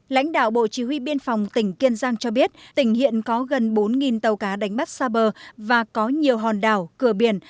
lãnh đạo bộ chỉ huy biên phòng tỉnh kiên giang cho biết tỉnh hiện có gần bốn tàu cá đánh bắt xa bờ và có nhiều hòn đảo cửa biển